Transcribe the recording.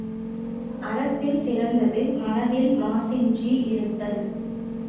அறத்தில் சிறந்தது மனத்தில் மாசின்றி இருத்தல்.